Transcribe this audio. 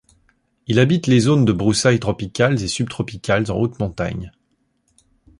Il habite les zones de broussailles tropicales et subtropicales en haute montagne.